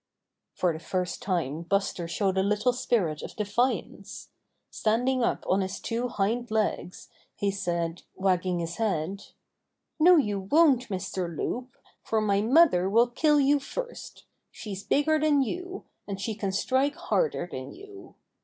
For the first time Buster showed a little spirit of defiance. Standing up on his two hind legs, he said, wagging his head : "No you won't, Mr. Loup, for my mother will kill you first. She's bigger than you, and she can strike harder than you.